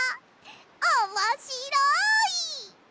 おもしろい！